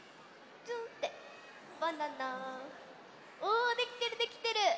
おできてるできてる。